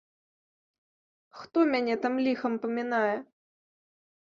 Хто мяне там ліхам памінае?